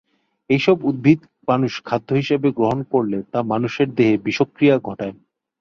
এইসব উদ্ভিদ মানুষ খাদ্য হিসেবে গ্রহণ করলে তা মানুষের দেহে বিষক্রিয়া ঘটায়।